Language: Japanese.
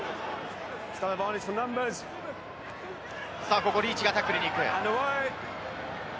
ここ、リーチがタックルに行く。